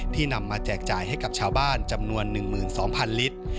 นำมาแจกจ่ายให้กับชาวบ้านจำนวน๑๒๐๐๐ลิตร